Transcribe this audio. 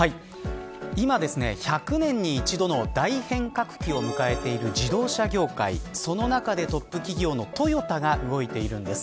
今１００年に一度の大変革期を迎えている自動車業界その中でトップ企業のトヨタが動いているんです。